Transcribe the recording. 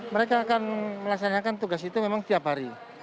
mereka akan melaksanakan tugas itu memang tiap hari